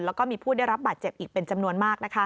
แล้วก็มีผู้ได้รับบาดเจ็บอีกเป็นจำนวนมาก